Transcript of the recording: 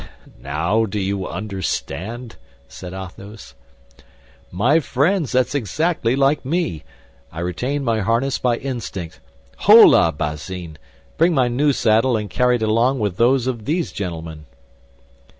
"Now do you understand?" said Athos. "My friends, that's exactly like me! I retained my harness by instinct. Holà, Bazin! Bring my new saddle and carry it along with those of these gentlemen."